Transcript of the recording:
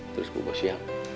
terus bubuk siang